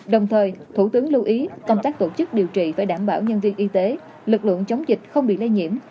đồng thời thủ tướng lưu ý công tác tổ chức điều trị phải đảm bảo nhân viên y tế lực lượng chống dịch không bị lây nhiễm